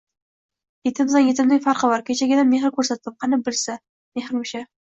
Yetimdan yetimning farqi bor! Keragicha mehr koʻrsatdim, qani bilsa! Mehrmish-a.